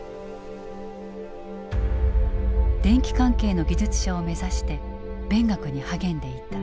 電気関係の技術者を目指して勉学に励んでいた。